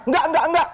enggak enggak enggak